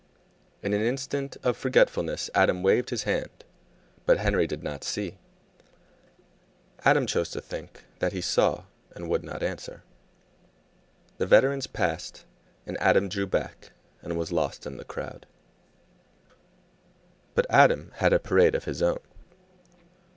In an instant of forgetfulness Adam waved his hand. But Henry did not see; Adam chose to think that he saw and would not answer. The veterans passed, and Adam drew back and was lost in the crowd. But Adam had a parade of his own.